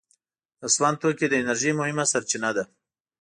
د سون توکي د انرژۍ مهمه سرچینه ده.